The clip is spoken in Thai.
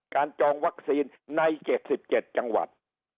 จองวัคซีนใน๗๗จังหวัด